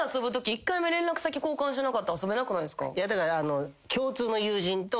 １回目連絡先交換しなかったら遊べなくないですか？